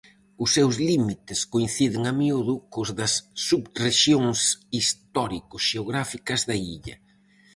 Os seus límites coinciden a miúdo cos das subrexións histórico-xeográficas da illa.